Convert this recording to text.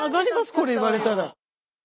これ言われたら。